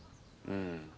うん。